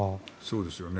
そうですよね。